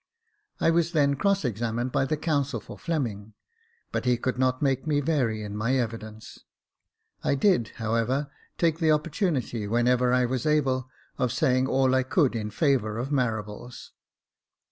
I was then cross examined by the counsel for Fleming, but he could not make me vary in my evidence. I did, however, take the opportunity, when ever I was able, of saying all I could in favour of Marables.